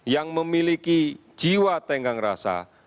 yang memiliki jiwa tenggang rasa